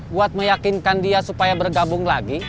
buat meyakinkan dia supaya bergabung lagi